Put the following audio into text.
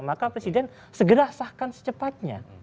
maka presiden segerasahkan secepatnya